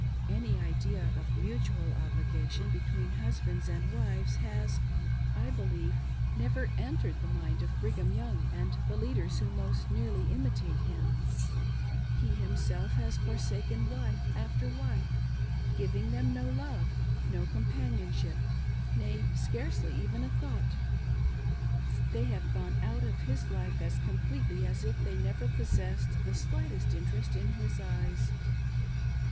Any idea of mutual obligation between husbands and wives has, I believe, never entered the mind of Brigham Young and the leaders who most nearly imitate him. He himself has forsaken wife after wife, giving them no love, no companion ship ; nay, scarcely even a thought. They have gone out of his life as complefely as if they had never possessed the slightest interest in his eyes.